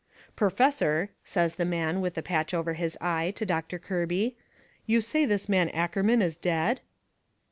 "Perfessor," says the man with the patch over his eye to Doctor Kirby, "you say this man Ackerman is dead?"